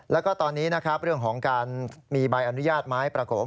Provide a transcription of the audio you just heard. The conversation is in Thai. แล้วก็ตอนนี้นะครับเรื่องของการมีใบอนุญาตไม้ประกบ